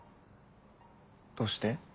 どうして？